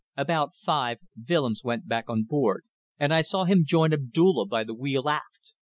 About five, Willems went back on board, and I saw him join Abdulla by the wheel aft.